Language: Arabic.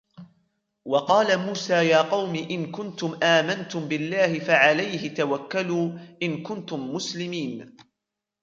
وَقَالَ مُوسَى يَا قَوْمِ إِنْ كُنْتُمْ آمَنْتُمْ بِاللَّهِ فَعَلَيْهِ تَوَكَّلُوا إِنْ كُنْتُمْ مُسْلِمِينَ